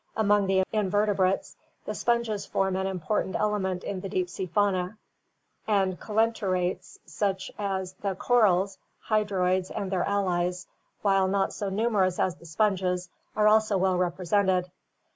Among the invertebrates, the sponges form an important element in the deep sea fauna, and ccelenterates such as the corals, hydroids and their allies, while not so numerous as the sponges, are also well represented.